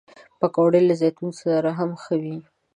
پکورې له زیتون سره هم ښه وي